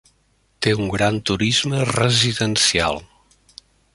Té un gran turisme residencial.